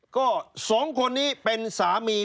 ก็สองคนนี้เป็นสามี